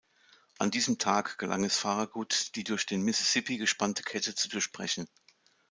An diesem Tag gelang es Farragut die durch den Mississippi gespannte Kette zu durchbrechen.